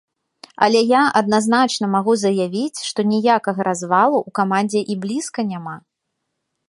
Але я адназначна магу заявіць, што ніякага развалу ў камандзе і блізка няма.